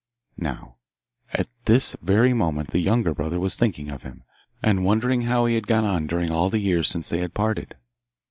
Now at this very moment the younger brother was thinking of him, and wondering how he had got on during all the years since they had parted.